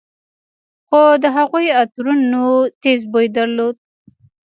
خو د هغوى عطرونو تېز بوى درلود.